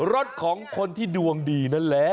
รถของคนที่ดวงดีนั่นแหละ